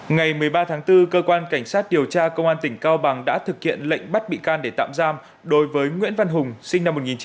ngày một mươi ba tháng bốn cơ quan cảnh sát điều tra công an tỉnh cao bằng đã thực hiện lệnh bắt bị can để tạm giam đối với nguyễn văn hùng sinh năm một nghìn chín trăm tám mươi